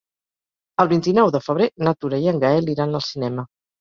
El vint-i-nou de febrer na Tura i en Gaël iran al cinema.